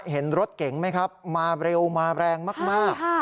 เห็นรถเก่งไหมครับมาเร็วมาแรงมาก